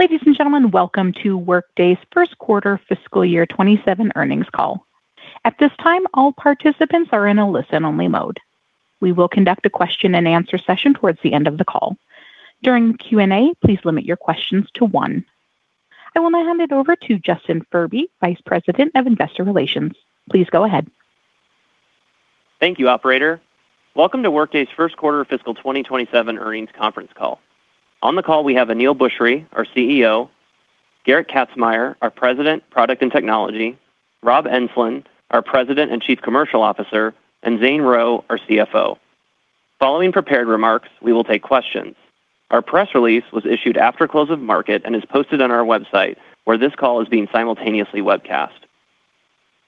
Ladies and gentlemen, welcome to Workday's First Quarter Fiscal Year 2027 Earnings Call. At this time, all participants are in a listen-only mode. We will conduct a question and answer session towards the end of the call. During the Q&A, please limit your questions to one. I will now hand it over to Justin Furby, Vice President of Investor Relations. Please go ahead. Thank you, operator. Welcome to Workday's first quarter fiscal 2027 earnings conference call. On the call, we have Aneel Bhusri, our CEO, Gerrit Kazmaier, our President, Product and Technology, Rob Enslin, our President and Chief Commercial Officer, and Zane Rowe, our CFO. Following prepared remarks, we will take questions. Our press release was issued after close of market and is posted on our website, where this call is being simultaneously webcast.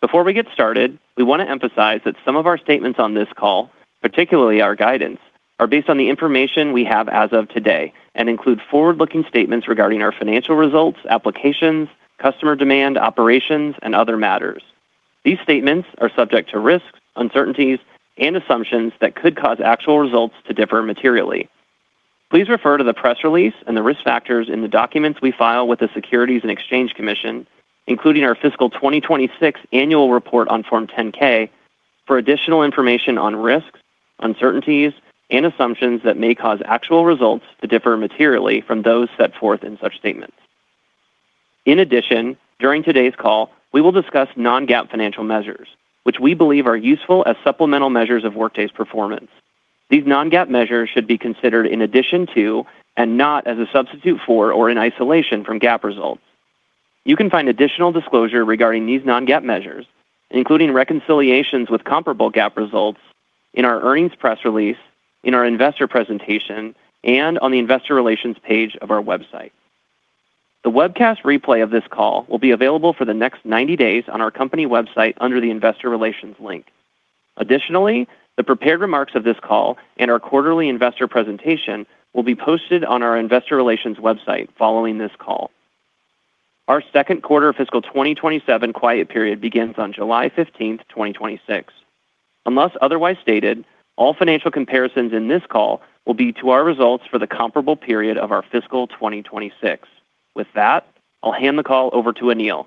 Before we get started, we want to emphasize that some of our statements on this call, particularly our guidance, are based on the information we have as of today and include forward-looking statements regarding our financial results, applications, customer demand, operations, and other matters. These statements are subject to risks, uncertainties, and assumptions that could cause actual results to differ materially. Please refer to the press release and the risk factors in the documents we file with the Securities and Exchange Commission, including our fiscal 2026 annual report on Form 10-K, for additional information on risks, uncertainties, and assumptions that may cause actual results to differ materially from those set forth in such statements. In addition, during today's call, we will discuss non-GAAP financial measures, which we believe are useful as supplemental measures of Workday's performance. These non-GAAP measures should be considered in addition to, and not as a substitute for or in isolation from, GAAP results. You can find additional disclosure regarding these non-GAAP measures, including reconciliations with comparable GAAP results, in our earnings press release, in our investor presentation, and on the investor relations page of our website. The webcast replay of this call will be available for the next 90 days on our company website under the investor relations link. Additionally, the prepared remarks of this call and our quarterly investor presentation will be posted on our investor relations website following this call. Our second quarter fiscal 2027 quiet period begins on July 15th, 2026. Unless otherwise stated, all financial comparisons in this call will be to our results for the comparable period of our fiscal 2026. With that, I'll hand the call over to Aneel.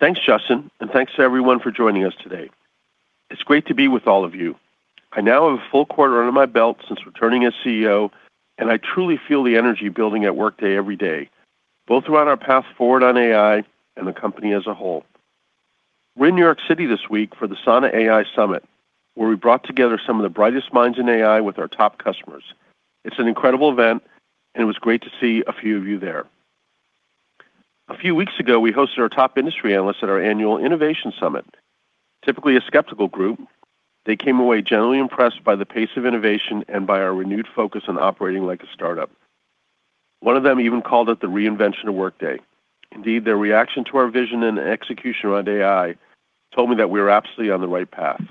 Thanks, Justin, and thanks to everyone for joining us today. It's great to be with all of you. I now have a full quarter under my belt since returning as CEO, and I truly feel the energy building at Workday every day, both around our path forward on AI and the company as a whole. We're in New York City this week for the Sana AI Summit, where we brought together some of the brightest minds in AI with our top customers. It's an incredible event, and it was great to see a few of you there. A few weeks ago, we hosted our top industry analysts at our annual Innovation Summit. Typically a skeptical group, they came away generally impressed by the pace of innovation and by our renewed focus on operating like a startup. One of them even called it the reinvention of Workday. Their reaction to our vision and execution around AI told me that we are absolutely on the right path.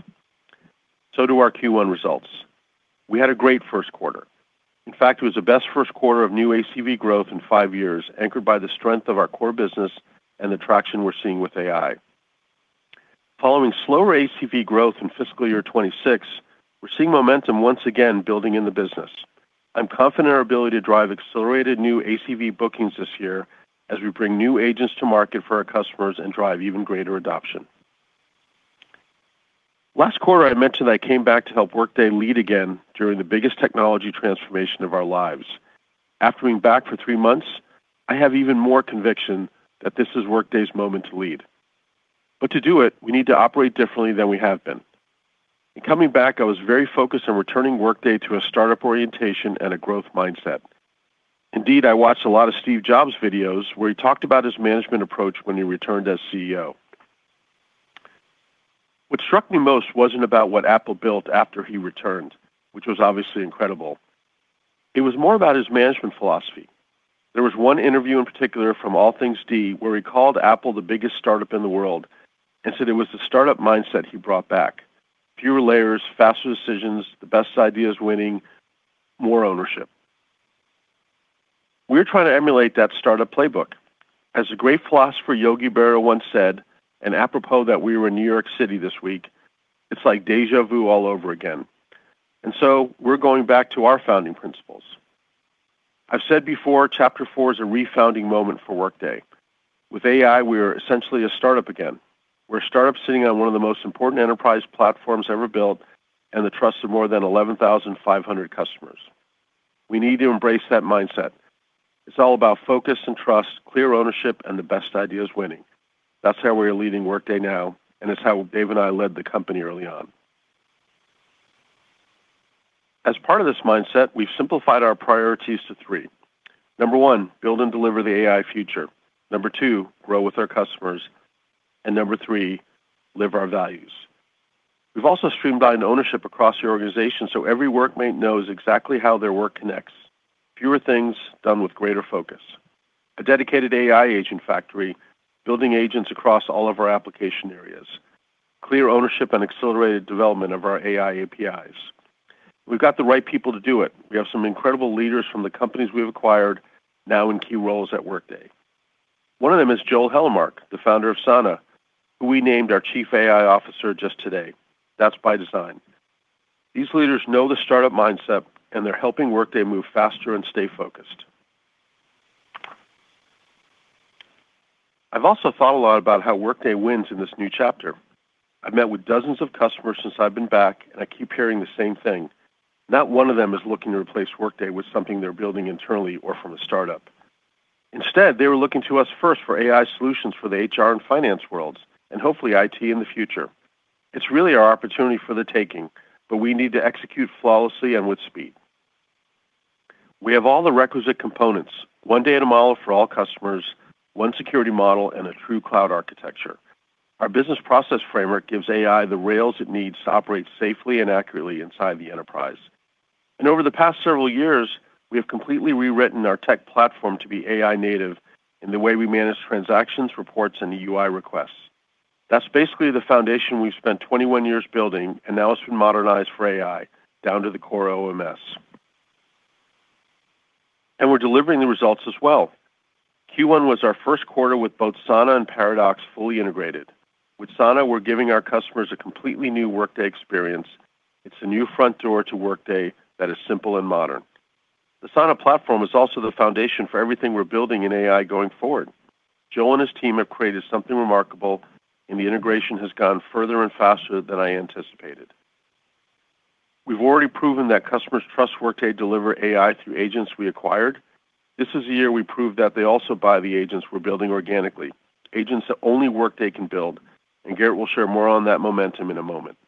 Our Q1 results. We had a great first quarter. In fact, it was the best first quarter of new ACV growth in five years, anchored by the strength of our core business and the traction we're seeing with AI. Following slower ACV growth in fiscal year 2026, we're seeing momentum once again building in the business. I'm confident in our ability to drive accelerated new ACV bookings this year as we bring new agents to market for our customers and drive even greater adoption. Last quarter, I mentioned I came back to help Workday lead again during the biggest technology transformation of our lives. After being back for three months, I have even more conviction that this is Workday's moment to lead. To do it, we need to operate differently than we have been. In coming back, I was very focused on returning Workday to a startup orientation and a growth mindset. I watched a lot of Steve Jobs videos where he talked about his management approach when he returned as CEO. What struck me most wasn't about what Apple built after he returned, which was obviously incredible. It was more about his management philosophy. There was one interview in particular from AllThingsD where he called Apple the biggest startup in the world and said it was the startup mindset he brought back. Fewer layers, faster decisions, the best ideas winning, more ownership. We're trying to emulate that startup playbook. As the great philosopher Yogi Berra once said, and apropos that we were in New York City this week, it's like deja vu all over again. We're going back to our founding principles. I've said before, chapter four is a refounding moment for Workday. With AI, we're essentially a startup again. We're a startup sitting on one of the most important enterprise platforms ever built and the trust of more than 11,500 customers. We need to embrace that mindset. It's all about focus and trust, clear ownership, and the best ideas winning. That's how we're leading Workday now, and it's how Dave and I led the company early on. As part of this mindset, we've simplified our priorities to three. Number one, build and deliver the AI future. Number two, grow with our customers. Number three, live our values. We've also streamlined ownership across the organization so every Workmate knows exactly how their work connects. Fewer things done with greater focus. A dedicated AI agent factory building agents across all of our application areas. Clear ownership and accelerated development of our AI APIs. We've got the right people to do it. We have some incredible leaders from the companies we've acquired now in key roles at Workday. One of them is Joel Hellermark, the founder of Sana, who we named our Chief AI Officer just today. That's by design. These leaders know the startup mindset, and they're helping Workday move faster and stay focused. I've also thought a lot about how Workday wins in this new chapter. I've met with dozens of customers since I've been back, and I keep hearing the same thing. Not one of them is looking to replace Workday with something they're building internally or from a startup. Instead, they were looking to us first for AI solutions for the HR and finance worlds, and hopefully IT in the future. It's really our opportunity for the taking, but we need to execute flawlessly and with speed. We have all the requisite components, one data model for all customers, one security model, and a true cloud architecture. Our business process framework gives AI the rails it needs to operate safely and accurately inside the enterprise. Over the past several years, we have completely rewritten our tech platform to be AI native in the way we manage transactions, reports, and the UI requests. That's basically the foundation we've spent 21 years building, and now it's been modernized for AI, down to the core OMS. We're delivering the results as well. Q1 was our first quarter with both Sana and Paradox fully integrated. With Sana, we're giving our customers a completely new Workday experience. It's a new front door to Workday that is simple and modern. The Sana platform is also the foundation for everything we're building in AI going forward. Joel and his team have created something remarkable, and the integration has gone further and faster than I anticipated. We've already proven that customers trust Workday deliver AI through agents we acquired. This is the year we proved that they also buy the agents we're building organically, agents that only Workday can build, and Gerrit will share more on that momentum in a moment.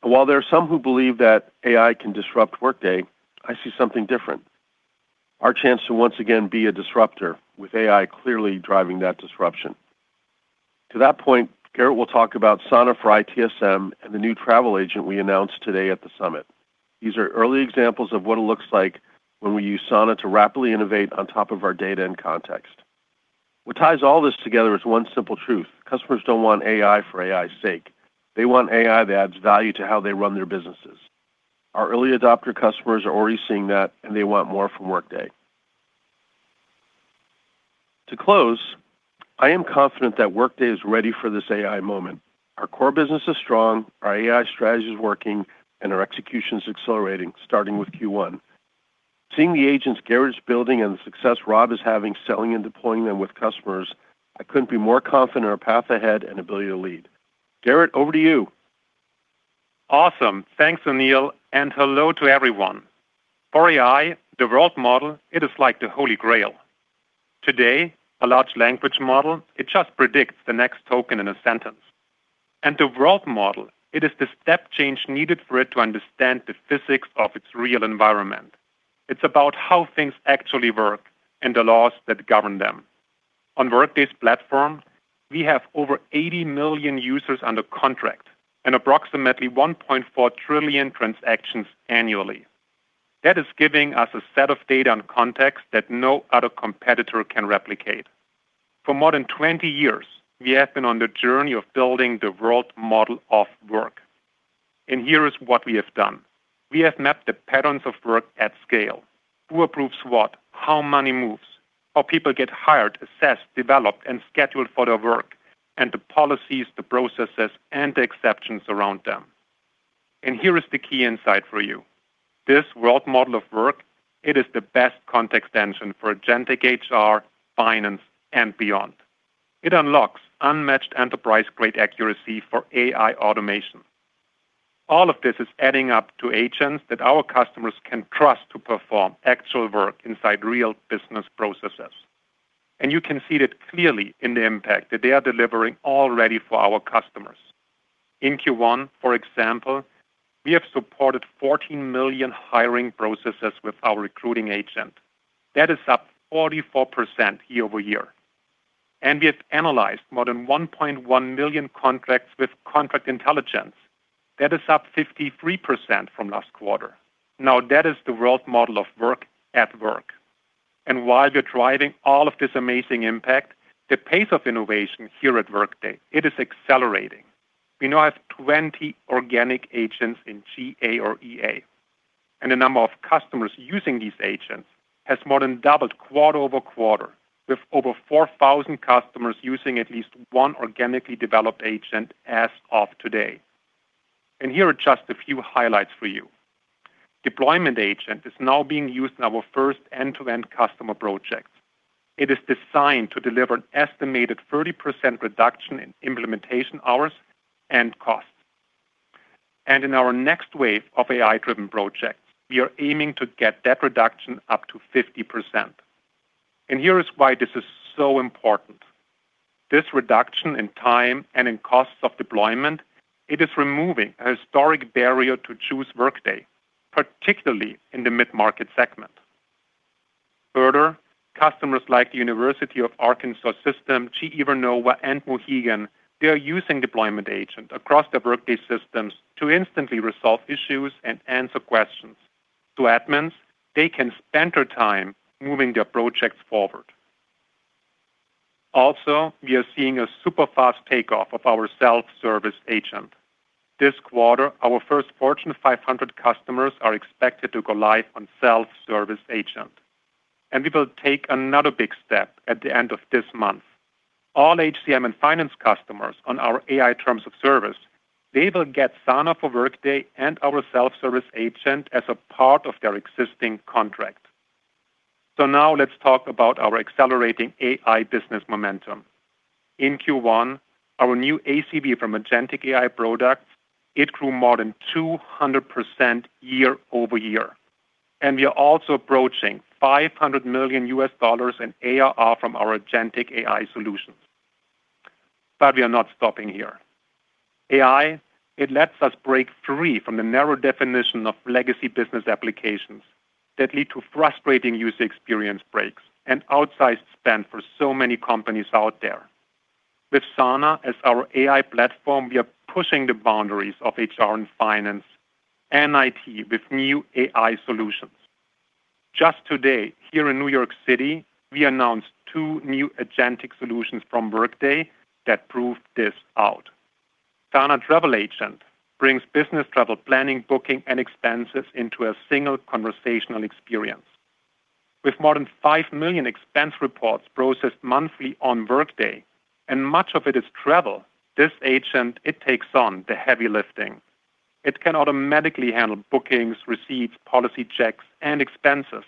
While there are some who believe that AI can disrupt Workday, I see something different, our chance to once again be a disruptor with AI clearly driving that disruption. To that point, Gerrit will talk about Sana for ITSM and the new travel agent we announced today at the Innovation Summit. These are early examples of what it looks like when we use Sana to rapidly innovate on top of our data and context. What ties all this together is one simple truth. Customers don't want AI for AI's sake. They want AI that adds value to how they run their businesses. Our early adopter customers are already seeing that, and they want more from Workday. To close, I am confident that Workday is ready for this AI moment. Our core business is strong, our AI strategy is working, and our execution is accelerating, starting with Q1. Seeing the agents Gerrit's building and the success Rob is having selling and deploying them with customers, I couldn't be more confident in our path ahead and ability to lead. Gerrit, over to you. Awesome. Thanks, Aneel, hello to everyone. For AI, the world model, it is like the Holy Grail. Today, a large language model, it just predicts the next token in a sentence. The world model, it is the step change needed for it to understand the physics of its real environment. It's about how things actually work and the laws that govern them. On Workday's platform, we have over 80 million users under contract and approximately 1.4 trillion transactions annually. That is giving us a set of data and context that no other competitor can replicate. For more than 20 years, we have been on the journey of building the world model of work. Here is what we have done. We have mapped the patterns of work at scale, who approves what, how money moves, how people get hired, assessed, developed, and scheduled for their work, and the policies, the processes, and the exceptions around them. Here is the key insight for you. This world model of work, it is the best context engine for agentic HR, finance, and beyond. It unlocks unmatched enterprise-grade accuracy for AI automation. All of this is adding up to agents that our customers can trust to perform actual work inside real business processes. You can see that clearly in the impact that they are delivering already for our customers. In Q1, for example, we have supported 14 million hiring processes with our Recruiting Agent. That is up 44% year-over-year. We have analyzed more than 1.1 million contracts with Contract Intelligence. That is up 53% from last quarter. Now, that is the world model of work at work. While we're driving all of this amazing impact, the pace of innovation here at Workday, it is accelerating. We now have 20 organic agents in GA or EA, and the number of customers using these agents has more than doubled quarter-over-quarter, with over 4,000 customers using at least one organically developed agent as of today. Here are just a few highlights for you. Deployment Agent is now being used in our first end-to-end customer projects. It is designed to deliver an estimated 30% reduction in implementation hours and cost. In our next wave of AI-driven projects, we are aiming to get that reduction up to 50%. Here is why this is so important. This reduction in time and in costs of deployment, it is removing a historic barrier to choose Workday, particularly in the mid-market segment. Customers like the University of Arkansas System, GE Vernova, and Mohegan, they are using Deployment Agent across their Workday systems to instantly resolve issues and answer questions. To admins, they can spend their time moving their projects forward. We are seeing a super fast takeoff of our Self-Service Agent. This quarter, our first Fortune 500 customers are expected to go live on Self-Service Agent. We will take another big step at the end of this month. All HCM and finance customers on our AI terms of service, they will get Sana for Workday and our Self-Service Agent as a part of their existing contract. Let's talk about our accelerating AI business momentum. In Q1, our new ACV from agentic AI products, it grew more than 200% year-over-year. We are also approaching $500 million in ARR from our agentic AI solutions. We are not stopping here. AI, it lets us break free from the narrow definition of legacy business applications that lead to frustrating user experience breaks and outsized spend for so many companies out there. With Sana as our AI platform, we are pushing the boundaries of HR and finance and IT with new AI solutions. Just today, here in New York City, we announced two new agentic solutions from Workday that prove this out. Sana Travel Agent brings business travel planning, booking, and expenses into a single conversational experience. With more than 5 million expense reports processed monthly on Workday, and much of it is travel, this agent, it takes on the heavy lifting. It can automatically handle bookings, receipts, policy checks, and expenses.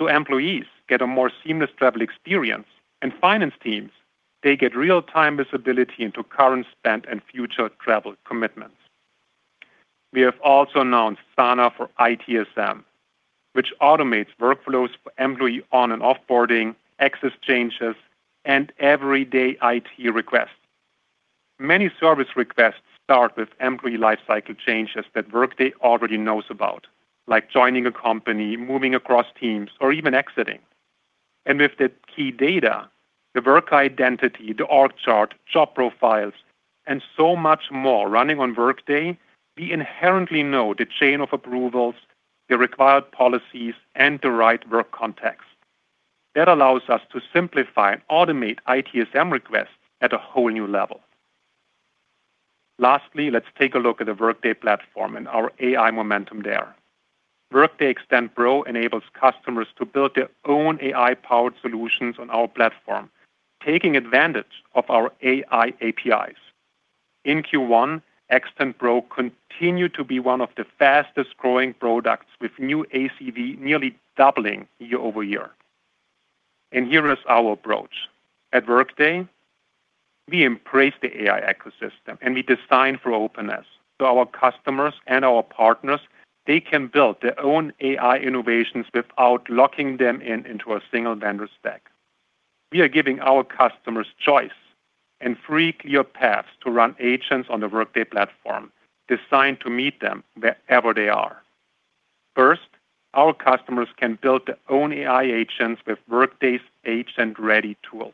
Employees get a more seamless travel experience, and finance teams, they get real-time visibility into current spend and future travel commitments. We have also announced Sana for ITSM, which automates workflows for employee on and off-boarding, access changes, and everyday IT requests. Many service requests start with employee lifecycle changes that Workday already knows about, like joining a company, moving across teams, or even exiting. With the key data, the work identity, the org chart, job profiles, and so much more running on Workday, we inherently know the chain of approvals, the required policies, and the right work context. That allows us to simplify and automate ITSM requests at a whole new level. Lastly, let's take a look at the Workday platform and our AI momentum there. Workday Extend Pro enables customers to build their own AI-powered solutions on our platform, taking advantage of our AI APIs. In Q1, Extend Pro continued to be one of the fastest-growing products, with new ACV nearly doubling year-over-year. Here is our approach. At Workday, we embrace the AI ecosystem, and we design for openness. Our customers and our partners, they can build their own AI innovations without locking them in into a single vendor stack. We are giving our customers choice and three clear paths to run agents on the Workday platform, designed to meet them wherever they are. First, our customers can build their own AI agents with Workday's agent-ready tools.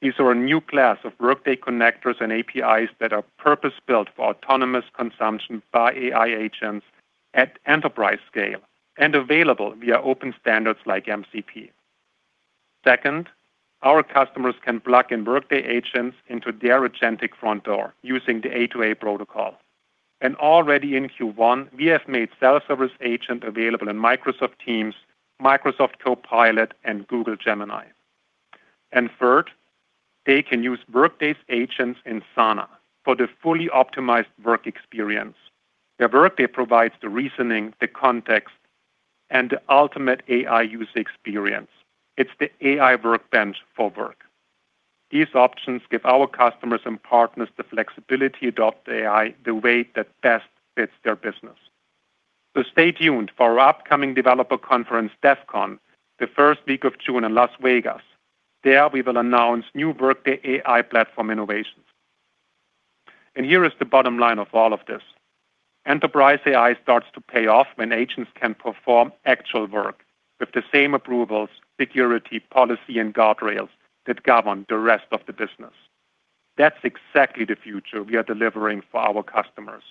These are a new class of Workday connectors and APIs that are purpose-built for autonomous consumption by AI agents at enterprise scale and available via open standards like MCP. Second, our customers can plug in Workday agents into their agentic front door using the A2A protocol. Already in Q1, we have made Self-Service Agent available in Microsoft Teams, Microsoft Copilot, and Google Gemini. Third, they can use Workday's agents in Sana for the fully optimized work experience, where Workday provides the reasoning, the context, and the ultimate AI user experience. It's the AI workbench for work. These options give our customers and partners the flexibility to adopt AI the way that best fits their business. Stay tuned for our upcoming developer conference, DevCon, the first week of June in Las Vegas. There, we will announce new Workday AI platform innovations. Here is the bottom line of all of this. Enterprise AI starts to pay off when agents can perform actual work with the same approvals, security, policy, and guardrails that govern the rest of the business. That's exactly the future we are delivering for our customers.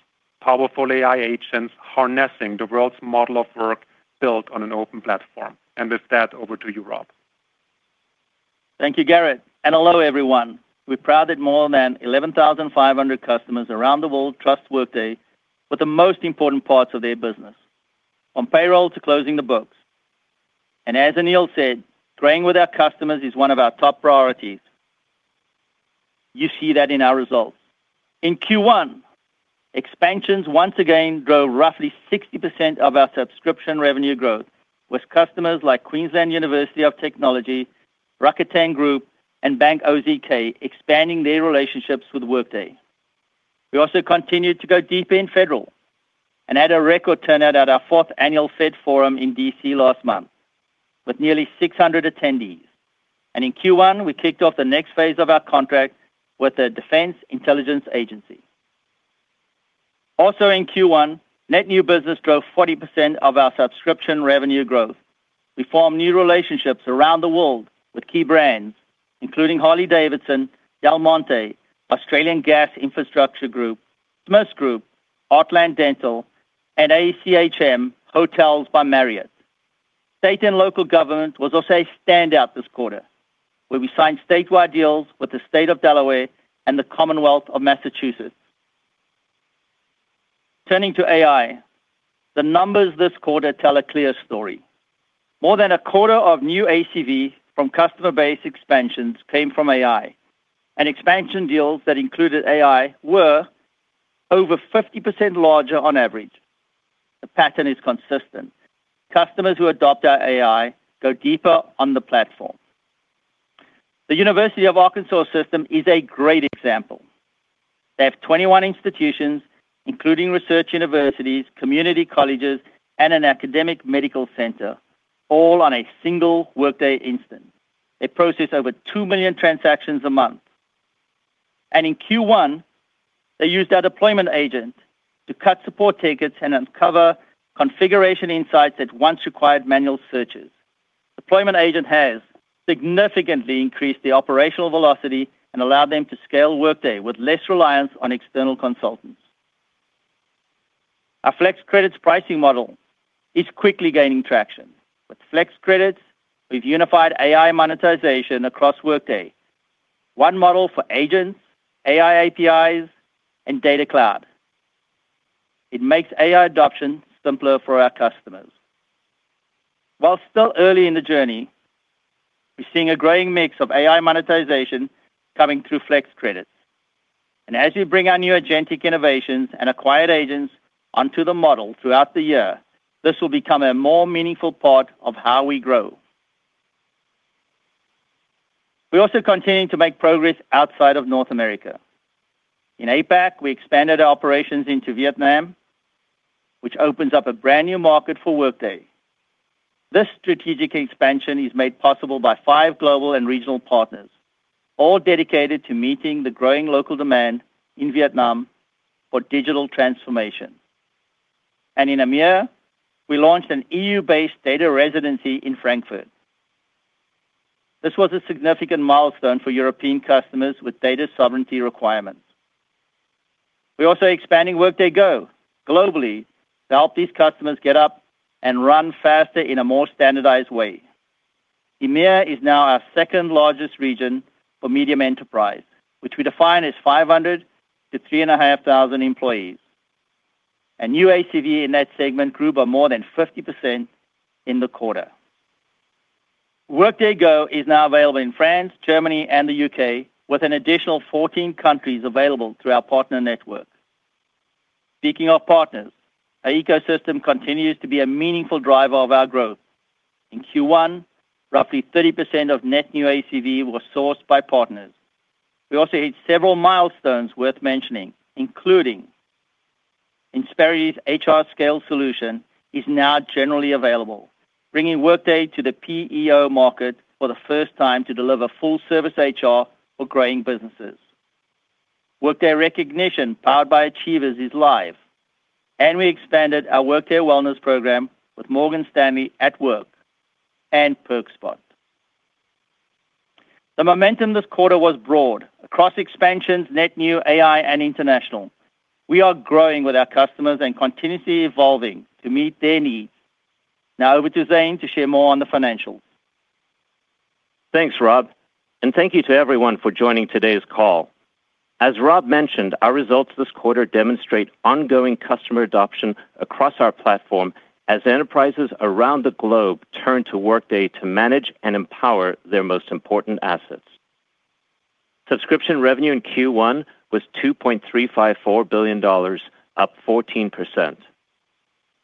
Powerful AI agents harnessing the world's model of work built on an open platform. With that, over to you, Rob. Thank you, Gerrit. Hello, everyone. We're proud that more than 11,500 customers around the world trust Workday for the most important parts of their business, from payroll to closing the books. As Aneel said, growing with our customers is one of our top priorities. You see that in our results. In Q1, expansions once again drove roughly 60% of our subscription revenue growth with customers like Queensland University of Technology, Rakuten Group, and Bank OZK expanding their relationships with Workday. We also continued to go deep in federal and had a record turnout at our 4th annual Fed Forum in D.C. last month with nearly 600 attendees. In Q1, we kicked off the next phase of our contract with the Defense Intelligence Agency. Also in Q1, net new business drove 40% of our subscription revenue growth. We formed new relationships around the world with key brands, including Harley-Davidson, Del Monte, Australian Gas Infrastructure Group, Smiths Group, Heartland Dental, and ACHM Hotels by Marriott. State and local government was also a standout this quarter, where we signed statewide deals with the State of Delaware and the Commonwealth of Massachusetts. Turning to AI, the numbers this quarter tell a clear story. More than a quarter of new ACV from customer base expansions came from AI, and expansion deals that included AI were over 50% larger on average. The pattern is consistent. Customers who adopt our AI go deeper on the platform. The University of Arkansas System is a great example. They have 21 institutions, including research universities, community colleges, and an academic medical center, all on a single Workday instance. They process over 2 million transactions a month. In Q1, they used our Deployment Agent to cut support tickets and uncover configuration insights that once required manual searches. Deployment Agent has significantly increased the operational velocity and allowed them to scale Workday with less reliance on external consultants. Our Flex Credits pricing model is quickly gaining traction. With Flex Credits, we've unified AI monetization across Workday. One model for agents, AI APIs, and Data Cloud. It makes AI adoption simpler for our customers. While it's still early in the journey, we're seeing a growing mix of AI monetization coming through Flex Credits, and as we bring our new agentic innovations and acquired agents onto the model throughout the year, this will become a more meaningful part of how we grow. We're also continuing to make progress outside of North America. In APAC, we expanded our operations into Vietnam, which opens up a brand-new market for Workday. This strategic expansion is made possible by five global and regional partners, all dedicated to meeting the growing local demand in Vietnam for digital transformation. In EMEA, we launched an EU-based data residency in Frankfurt. This was a significant milestone for European customers with data sovereignty requirements. We're also expanding Workday GO globally to help these customers get up and run faster in a more standardized way. EMEA is now our second-largest region for medium enterprise, which we define as 500 to 3,500 employees. New ACV in that segment grew by more than 50% in the quarter. Workday GO is now available in France, Germany, and the U.K., with an additional 14 countries available through our partner network. Speaking of partners, our ecosystem continues to be a meaningful driver of our growth. In Q1, roughly 30% of net new ACV was sourced by partners. We also hit several milestones worth mentioning, including Insperity HRScale solution is now generally available, bringing Workday to the PEO market for the first time to deliver full-service HR for growing businesses. Workday Recognition, powered by Achievers, is live, and we expanded our Workday Wellness program with Morgan Stanley at Work and PerkSpot. The momentum this quarter was broad across expansions, net new, AI, and international. We are growing with our customers and continuously evolving to meet their needs. Now over to Zane to share more on the financials. Thanks, Rob. Thank you to everyone for joining today's call. As Rob mentioned, our results this quarter demonstrate ongoing customer adoption across our platform as enterprises around the globe turn to Workday to manage and empower their most important assets. Subscription revenue in Q1 was $2.354 billion, up 14%.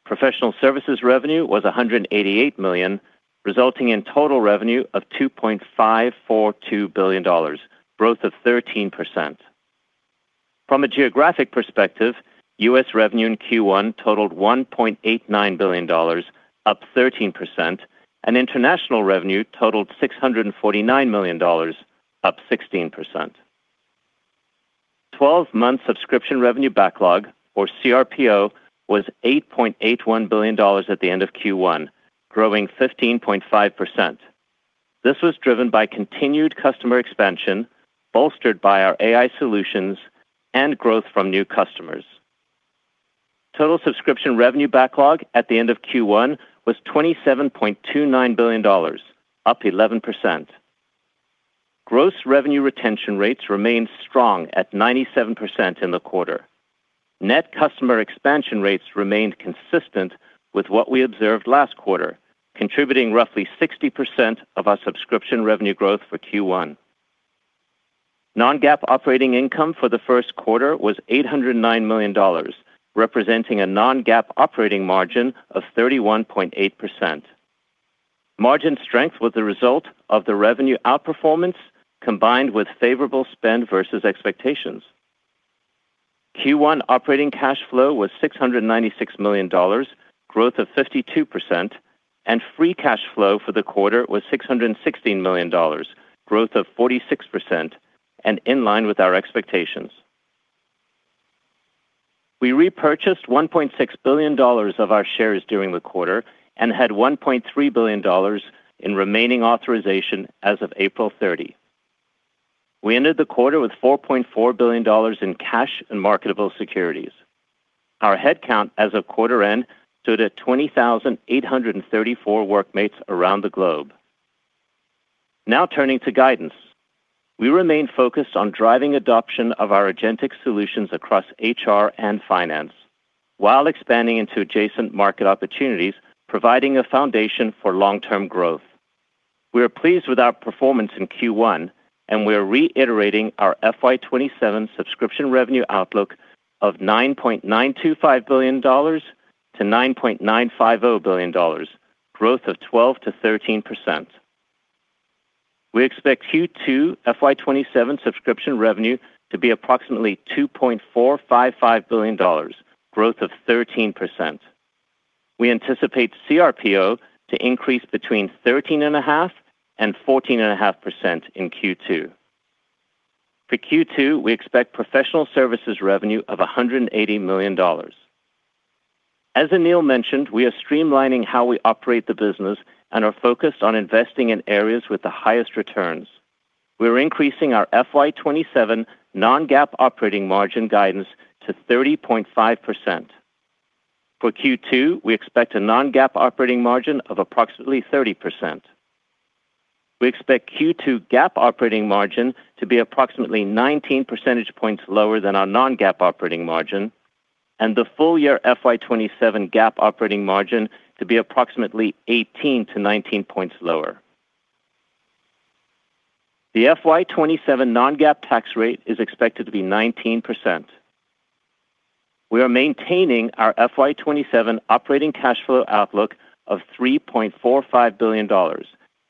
Professional services revenue was $188 million, resulting in total revenue of $2.542 billion, growth of 13%. From a geographic perspective, U.S. revenue in Q1 totaled $1.89 billion, up 13%, and international revenue totaled $649 million, up 16%. 12-month subscription revenue backlog, or CRPO, was $8.81 billion at the end of Q1, growing 15.5%. This was driven by continued customer expansion, bolstered by our AI solutions and growth from new customers. Total subscription revenue backlog at the end of Q1 was $27.29 billion, up 11%. Gross revenue retention rates remained strong at 97% in the quarter. Net customer expansion rates remained consistent with what we observed last quarter, contributing roughly 60% of our subscription revenue growth for Q1. Non-GAAP operating income for the first quarter was $809 million, representing a non-GAAP operating margin of 31.8%. Margin strength was the result of the revenue outperformance, combined with favorable spend versus expectations. Q1 operating cash flow was $696 million, growth of 52%, and free cash flow for the quarter was $616 million, growth of 46% and in line with our expectations. We repurchased $1.6 billion of our shares during the quarter and had $1.3 billion in remaining authorization as of April 30. We ended the quarter with $4.4 billion in cash and marketable securities. Our headcount as of quarter end stood at 20,834 Workmates around the globe. Now turning to guidance. We remain focused on driving adoption of our agentic solutions across HR and finance while expanding into adjacent market opportunities, providing a foundation for long-term growth. We are pleased with our performance in Q1, and we are reiterating our FY 2027 subscription revenue outlook of $9.925 billion-$9.950 billion, growth of 12%-13%. We expect Q2 FY 2027 subscription revenue to be approximately $2.455 billion, growth of 13%. We anticipate CRPO to increase between 13.5% and 14.5% in Q2. For Q2, we expect professional services revenue of $180 million. As Aneel mentioned, we are streamlining how we operate the business and are focused on investing in areas with the highest returns. We are increasing our FY 2027 non-GAAP operating margin guidance to 30.5%. For Q2, we expect a non-GAAP operating margin of approximately 30%. We expect Q2 GAAP operating margin to be approximately 19 percentage points lower than our non-GAAP operating margin and the full-year FY 2027 GAAP operating margin to be approximately 18-19 points lower. The FY 2027 non-GAAP tax rate is expected to be 19%. We are maintaining our FY 2027 operating cash flow outlook of $3.45 billion,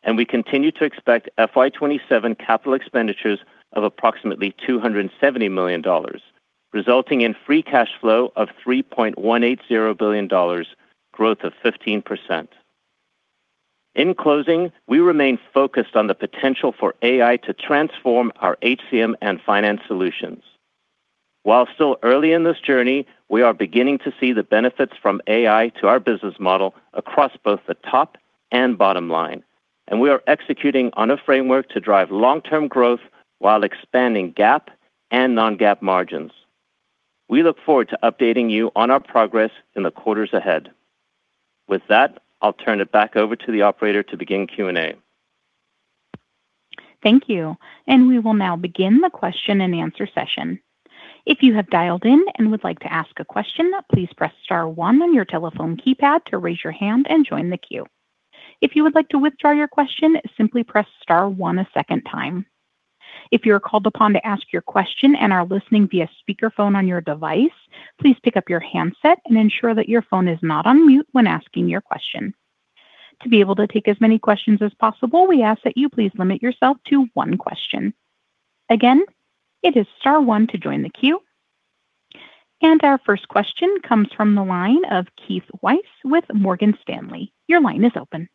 and we continue to expect FY 2027 capital expenditures of approximately $270 million, resulting in free cash flow of $3.180 billion, growth of 15%. In closing, we remain focused on the potential for AI to transform our HCM and finance solutions. While still early in this journey, we are beginning to see the benefits from AI to our business model across both the top and bottom line, and we are executing on a framework to drive long-term growth while expanding GAAP and non-GAAP margins. We look forward to updating you on our progress in the quarters ahead. With that, I'll turn it back over to the operator to begin Q&A. Thank you. We will now begin the question and answer session. If you have dialed in and would like to ask a question, please press star one on your telephone keypad to raise your hand and join the queue. If you would like to withdraw your question, simply press star one a second time. If you are called upon to ask your question and are listening via speakerphone on your device, please pick up your handset and ensure that your phone is not on mute when asking your question. To be able to take as many questions as possible, we ask that you please limit yourself to one question. Again, it is star one to join the queue. Our first question comes from the line of Keith Weiss with Morgan Stanley. Your line is open.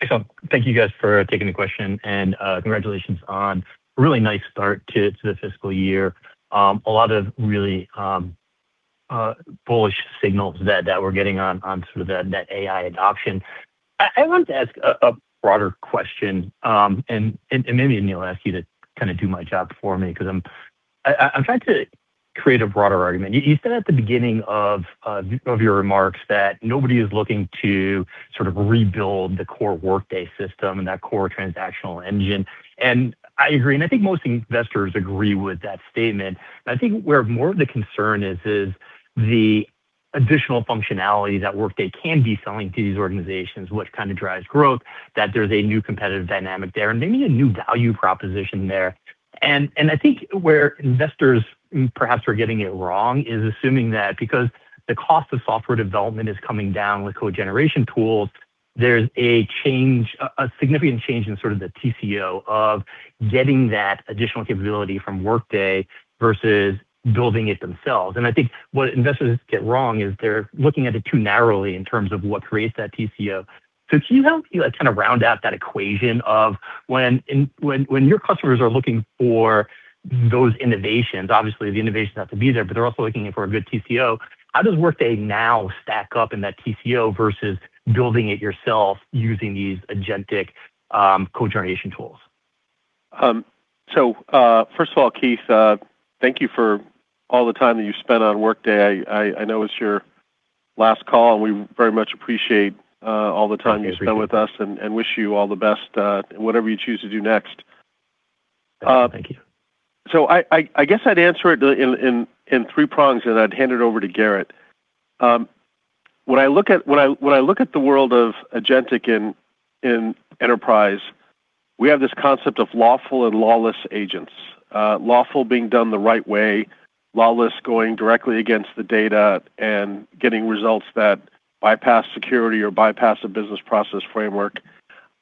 Excellent. Thank you guys for taking the question and congratulations on a really nice start to the fiscal year. A lot of really bullish signals that we're getting on sort of that AI adoption. I wanted to ask a broader question, and maybe, Aneel, I'll ask you to kind of do my job for me because I'm trying to create a broader argument. You said at the beginning of your remarks that nobody is looking to sort of rebuild the core Workday system and that core transactional engine. I agree, and I think most investors agree with that statement. I think where more of the concern is the additional functionality that Workday can be selling to these organizations, which kind of drives growth, that there's a new competitive dynamic there and maybe a new value proposition there. I think where investors perhaps are getting it wrong is assuming that because the cost of software development is coming down with code generation tools, there's a significant change in sort of the TCO of getting that additional capability from Workday versus building it themselves. I think what investors get wrong is they're looking at it too narrowly in terms of what creates that TCO. Can you help me kind of round out that equation of when your customers are looking for those innovations, obviously the innovations have to be there, but they're also looking for a good TCO. How does Workday now stack up in that TCO versus building it yourself using these agentic code generation tools? First of all, Keith, thank you for all the time that you've spent on Workday. I know it's your last call. We very much appreciate all the time you've spent with us and wish you all the best in whatever you choose to do next. Thank you. I guess I'd answer it in three prongs, and then I'd hand it over to Gerrit. When I look at the world of agentic and enterprise, we have this concept of lawful and lawless agents. Lawful being done the right way, lawless going directly against the data and getting results that bypass security or bypass a business process framework.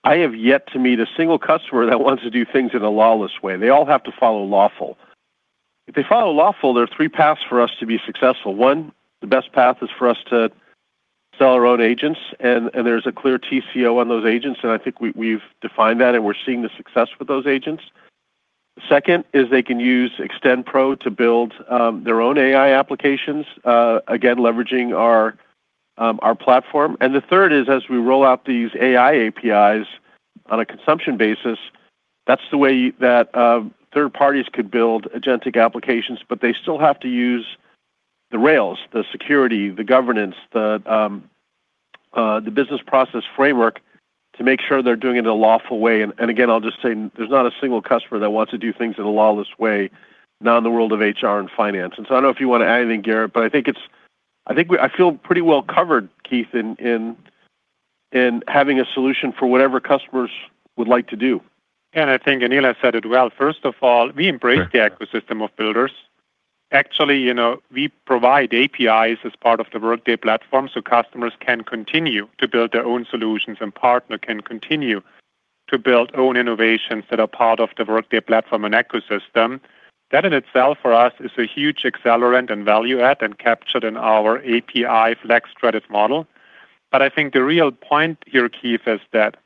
I have yet to meet a single customer that wants to do things in a lawless way. They all have to follow lawful. If they follow lawful, there are three paths for us to be successful. One, the best path is for us to sell our own agents, and there's a clear TCO on those agents, and I think we've defined that and we're seeing the success with those agents. The second is they can use Extend Pro to build their own AI applications, again, leveraging our platform. The third is as we roll out these AI APIs on a consumption basis, that's the way that third parties could build agentic applications, but they still have to use the rails, the security, the governance, the business process framework to make sure they're doing it in a lawful way. Again, I'll just say there's not a single customer that wants to do things in a lawless way now in the world of HR and finance. I don't know if you want to add anything, Gerrit, but I think I feel pretty well covered, Keith, in having a solution for whatever customers would like to do. I think Aneel has said it well. First of all, we embrace the ecosystem of builders. Actually, we provide APIs as part of the Workday platform so customers can continue to build their own solutions and partner can continue to build own innovations that are part of the Workday platform and ecosystem. That in itself for us is a huge accelerant and value add and captured in our API Flex Credit model. I think the real point here, Keith, is that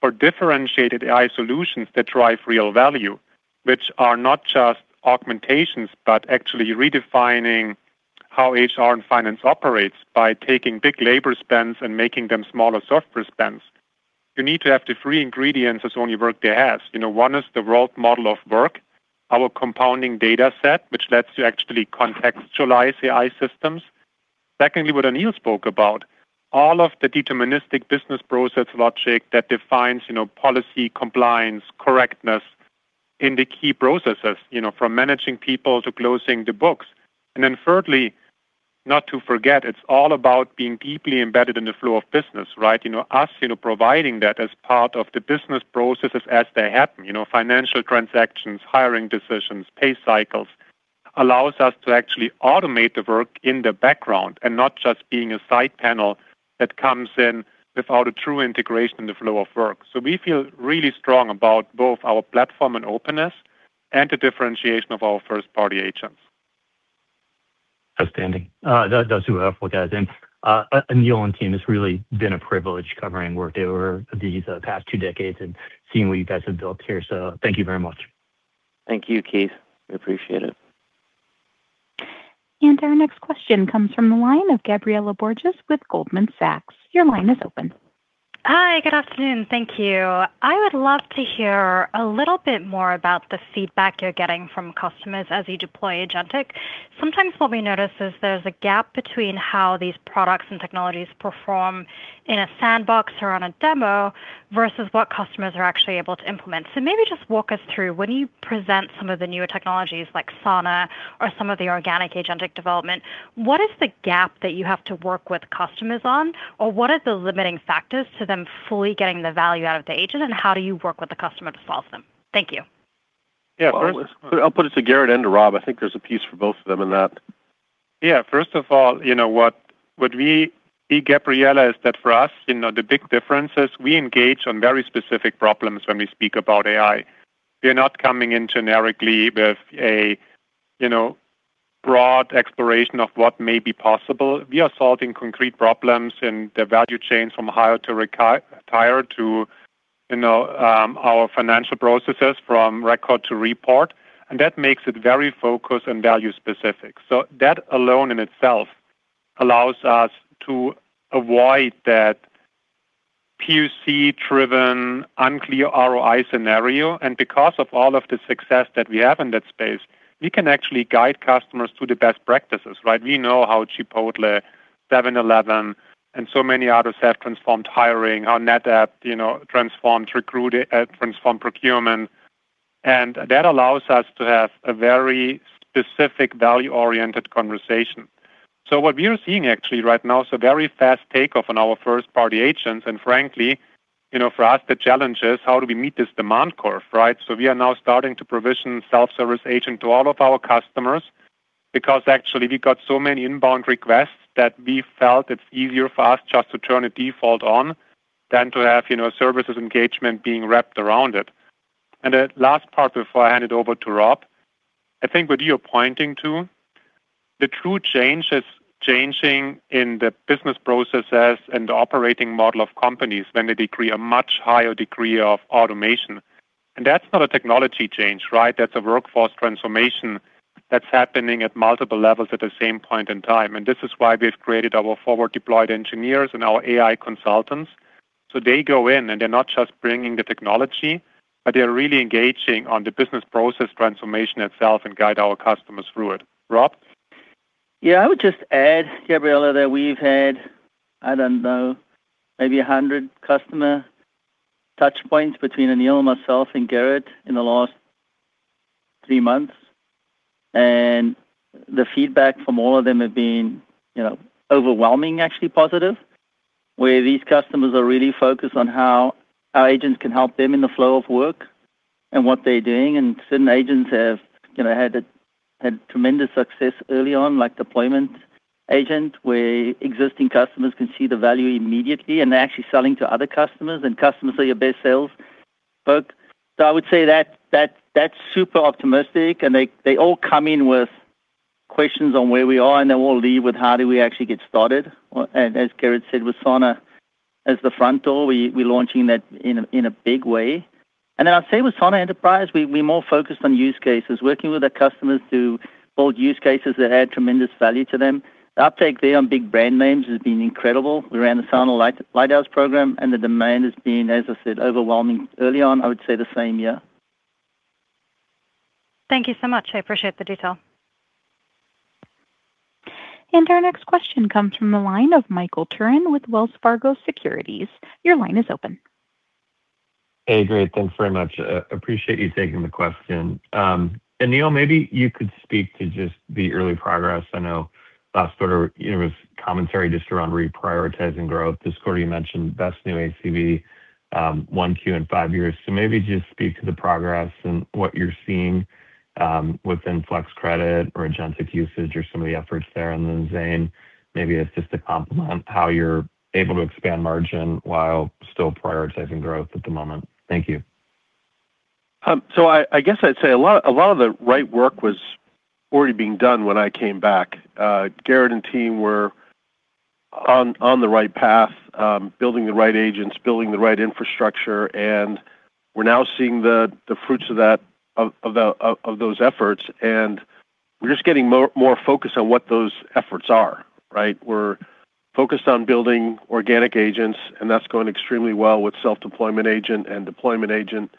for differentiated AI solutions that drive real value, which are not just augmentations, but actually redefining how HR and finance operates by taking big labor spends and making them smaller software spends, you need to have the three ingredients as only Workday has. One is the world model of work, our compounding data set, which lets you actually contextualize AI systems. Secondly, what Anil spoke about, all of the deterministic business process logic that defines policy compliance correctness in the key processes, from managing people to closing the books. Thirdly, not to forget, it's all about being deeply embedded in the flow of business, right? Us providing that as part of the business processes as they happen. Financial transactions, hiring decisions, pay cycles, allows us to actually automate the work in the background and not just being a side panel that comes in without a true integration in the flow of work. We feel really strong about both our platform and openness and the differentiation of our first-party agents. Outstanding. That's super helpful, guys. Aneel and team, it's really been a privilege covering Workday over these past two decades and seeing what you guys have built here. Thank you very much. Thank you, Keith. We appreciate it. Our next question comes from the line of Gabriela Borges with Goldman Sachs. Your line is open. Hi, good afternoon. Thank you. I would love to hear a little bit more about the feedback you're getting from customers as you deploy Agentic. Sometimes what we notice is there's a gap between how these products and technologies perform in a sandbox or on a demo versus what customers are actually able to implement. Maybe just walk us through, when you present some of the newer technologies like Sana or some of the organic Agentic development, what is the gap that you have to work with customers on? What are the limiting factors to them fully getting the value out of the agent, and how do you work with the customer to solve them? Thank you. Yeah. First, I'll put it to Gerrit and to Rob. I think there's a piece for both of them in that. Yeah. First of all, what we see, Gabriela, is that for us, the big difference is we engage on very specific problems when we speak about AI. We are not coming in generically with a broad exploration of what may be possible. We are solving concrete problems in the value chain from hire to retire to our financial processes from record to report. That makes it very focused and value-specific. That alone in itself allows us to avoid that POC-driven, unclear ROI scenario. Because of all of the success that we have in that space, we can actually guide customers to the best practices, right? We know how Chipotle, 7-Eleven, and so many others have transformed hiring. Our NetApp transformed procurement. That allows us to have a very specific value-oriented conversation. What we are seeing actually right now is a very fast takeoff on our first-party agents. Frankly, for us, the challenge is how do we meet this demand curve, right? We are now starting to provision Self-Service Agent to all of our customers because actually we got so many inbound requests that we felt it's easier for us just to turn a default on than to have services engagement being wrapped around it. The last part before I hand it over to Rob, I think what you're pointing to, the true change is changing in the business processes and the operating model of companies when they decree a much higher degree of automation. That's not a technology change, right? That's a workforce transformation that's happening at multiple levels at the same point in time. This is why we've created our forward deployed engineers and our AI consultants. They go in and they're not just bringing the technology, but they're really engaging on the business process transformation itself and guide our customers through it. Rob? I would just add, Gabriela, that we've had, I don't know, maybe 100 customer touch points between Aneel, myself, and Gerrit in the last three months, and the feedback from all of them have been overwhelming, actually positive, where these customers are really focused on how our agents can help them in the flow of work and what they're doing. Certain agents have had tremendous success early on, like Deployment Agent, where existing customers can see the value immediately, and they're actually selling to other customers, and customers are your best sales folk. I would say that's super optimistic, and they all come in with questions on where we are, and they all leave with how do we actually get started. As Gerrit said, with Sana as the front door, we're launching that in a big way. I'd say with Sana Enterprise, we're more focused on use cases, working with our customers to build use cases that add tremendous value to them. The uptake there on big brand names has been incredible. We ran the Sana Lighthouse program, and the demand has been, as I said, overwhelming early on. I would say the same. Thank you so much. I appreciate the detail. Our next question comes from the line of Michael Turrin with Wells Fargo Securities. Your line is open. Hey, great. Thanks very much. Appreciate you taking the question. Aneel, maybe you could speak to just the early progress. I know last quarter, there was commentary just around reprioritizing growth. This quarter you mentioned best new ACV, 1Q in 5 years. Maybe just speak to the progress and what you're seeing within Flex Credit or agentic usage or some of the efforts there. Zane, maybe it's just to complement how you're able to expand margin while still prioritizing growth at the moment. Thank you. I guess I'd say a lot of the right work was already being done when I came back. Gerrit and team were on the right path, building the right agents, building the right infrastructure, and we're now seeing the fruits of those efforts, and we're just getting more focused on what those efforts are. Right? We're focused on building organic agents, and that's going extremely well with Self-Service Agent and Deployment Agent.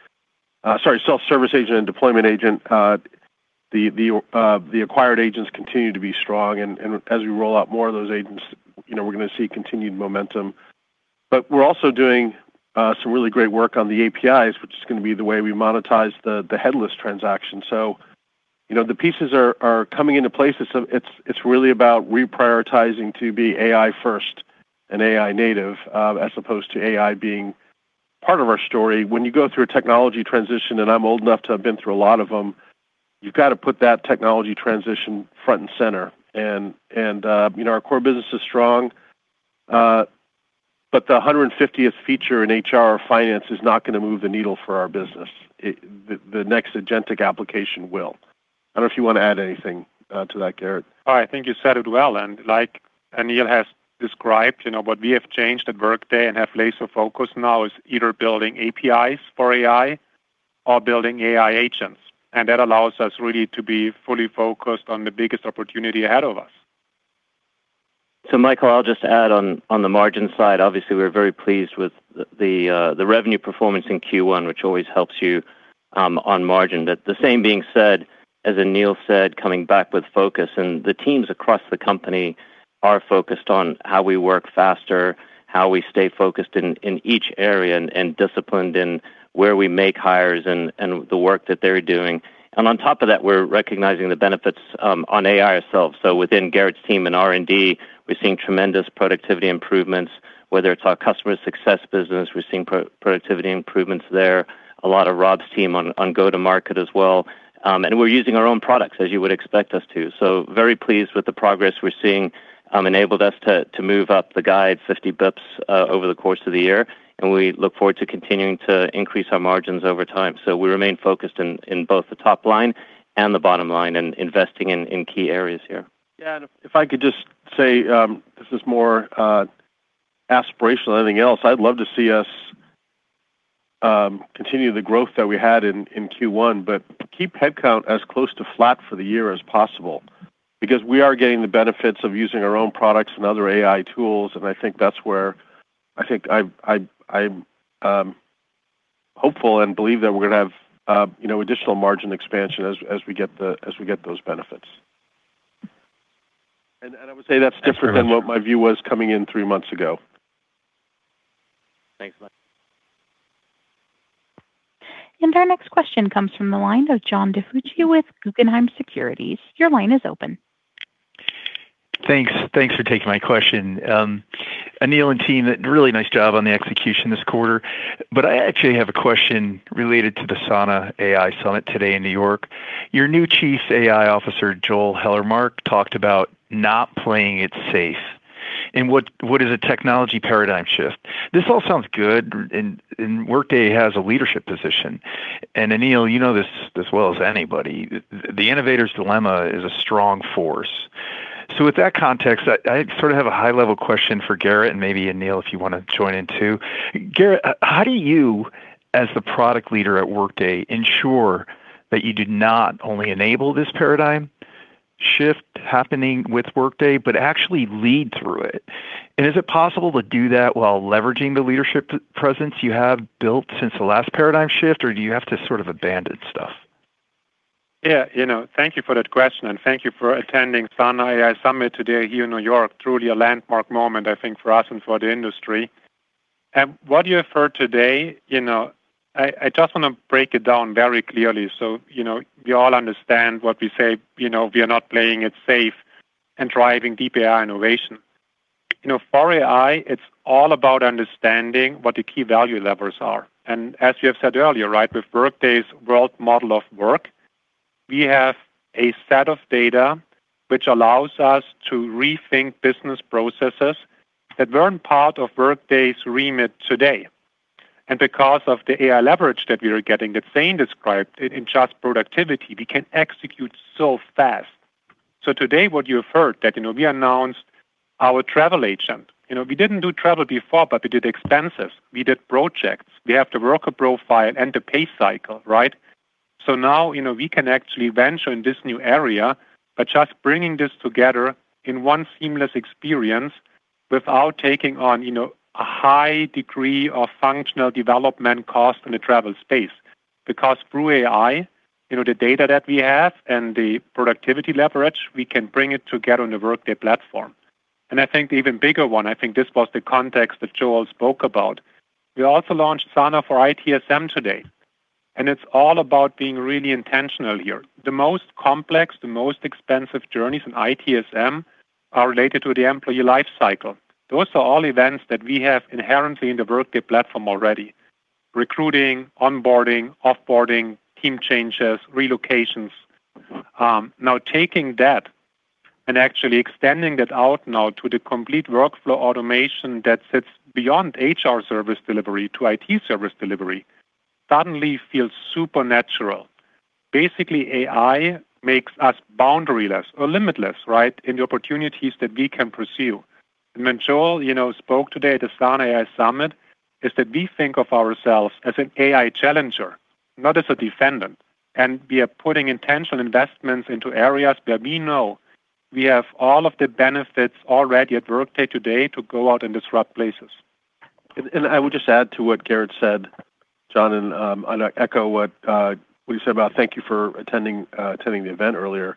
The acquired agents continue to be strong, and as we roll out more of those agents, we're going to see continued momentum. We're also doing some really great work on the APIs, which is going to be the way we monetize the headless transaction. The pieces are coming into place. It's really about reprioritizing to be AI first and AI native, as opposed to AI being part of our story. When you go through a technology transition, and I'm old enough to have been through a lot of them, you've got to put that technology transition front and center. Our core business is strong, but the 150th feature in HR or finance is not going to move the needle for our business. The next agentic application will. I don't know if you want to add anything to that, Gerrit. I think you said it well. Like Aneel has described, what we have changed at Workday and have laser focus now is either building APIs for AI or building AI agents. That allows us really to be fully focused on the biggest opportunity ahead of us. Michael, I'll just add on the margin side, obviously, we're very pleased with the revenue performance in Q1, which always helps you on margin. The same being said, as Aneel said, coming back with focus, and the teams across the company are focused on how we work faster, how we stay focused in each area, and disciplined in where we make hires and the work that they're doing. On top of that, we're recognizing the benefits on AI itself. Within Gerrit's team in R&D, we're seeing tremendous productivity improvements. Whether it's our customer success business, we're seeing productivity improvements there. A lot of Rob's team on go-to-market as well. We're using our own products as you would expect us to. Very pleased with the progress we're seeing enabled us to move up the guide 50 bps over the course of the year, and we look forward to continuing to increase our margins over time. We remain focused in both the top line and the bottom line and investing in key areas here. If I could just say, this is more aspirational than anything else. I'd love to see us continue the growth that we had in Q1, but keep headcount as close to flat for the year as possible because we are getting the benefits of using our own products and other AI tools. I think that's where I'm hopeful and believe that we're going to have additional margin expansion as we get those benefits. I would say that's different than what my view was coming in three months ago. Thanks. Our next question comes from the line of John DiFucci with Guggenheim Securities. Your line is open. Thanks for taking my question. Aneel and team, really nice job on the execution this quarter. I actually have a question related to the Sana AI Summit today in New York. Your new Chief AI Officer, Joel Hellermark, talked about not playing it safe and what is a technology paradigm shift. This all sounds good. Workday has a leadership position. Aneel, you know this as well as anybody. The innovator's dilemma is a strong force. With that context, I sort of have a high-level question for Gerrit and maybe Aneel, if you want to join in too. Gerrit, how do you as the product leader at Workday ensure that you do not only enable this paradigm shift happening with Workday, but actually lead through it? Is it possible to do that while leveraging the leadership presence you have built since the last paradigm shift, or do you have to sort of abandon stuff? Yeah. Thank you for that question, and thank you for attending Sana AI Summit today here in New York. Truly a landmark moment, I think, for us and for the industry. What you have heard today, I just want to break it down very clearly so we all understand what we say, we are not playing it safe and driving deep AI innovation. For AI, it's all about understanding what the key value levers are. As you have said earlier, right, with Workday's world model of work, we have a set of data which allows us to rethink business processes that weren't part of Workday's remit today. Because of the AI leverage that we are getting that Zane described in just productivity, we can execute so fast. Today what you have heard that we announced our Travel Agent. We didn't do travel before, we did expenses, we did projects. We have the worker profile and the pay cycle, right? Now, we can actually venture in this new area by just bringing this together in one seamless experience. Without taking on a high degree of functional development cost in the travel space. Through AI, the data that we have and the productivity leverage, we can bring it together on the Workday platform. I think the even bigger one, I think this was the context that Joel spoke about. We also launched Sana for ITSM today. It's all about being really intentional here. The most complex, the most expensive journeys in ITSM are related to the employee life cycle. Those are all events that we have inherently in the Workday platform already. Recruiting, onboarding, off-boarding, team changes, relocations. Now, taking that and actually extending that out now to the complete workflow automation that sits beyond HR service delivery to IT service delivery suddenly feels supernatural. Basically, AI makes us boundaryless or limitless, right, in the opportunities that we can pursue. When Joel spoke today at the Sana AI Summit, is that we think of ourselves as an AI challenger, not as a defendant, and we are putting intentional investments into areas where we know we have all of the benefits already at Workday today to go out and disrupt places. I would just add to what Gerrit said, John, and echo what you said about thank you for attending the event earlier.